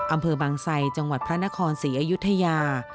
อำเภอบางไซจังหวัดพระนครศรีอยุธยา